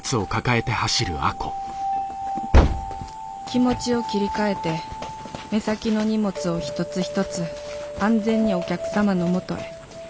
気持ちを切り替えて目先の荷物を一つ一つ安全にお客様のもとへ。